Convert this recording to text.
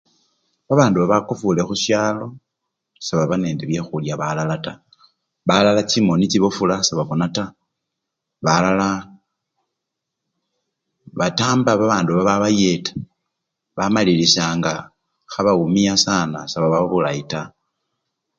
Babandu bakofule khusyalo, sebaba nende byekhulya balala taa, balala chimoni chibofula sebabona taa, balala batamba babandu babayeta bamalilisya nga khebawumiya sana sebaba bulayi taa.